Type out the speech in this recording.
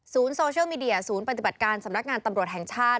โซเชียลมีเดียศูนย์ปฏิบัติการสำนักงานตำรวจแห่งชาติ